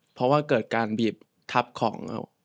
เพราะว่าเกิดการบีบทับของเขา